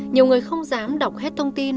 nhiều người không dám đọc hết thông tin